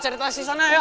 cari tasis sana ya